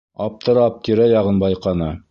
Аптырап, тирә-яғын байҡаны.